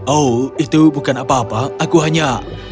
oh itu bukan apa apa aku hanya